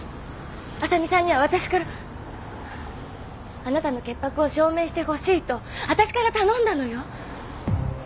浅見さんには私から。あなたの潔白を証明してほしいと私から頼んだのよ。